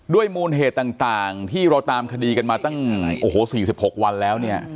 มูลเหตุต่างที่เราตามคดีกันมาตั้ง๔๖วันแล้วเนี่ย